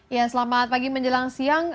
ya selamat pagi menjelang siang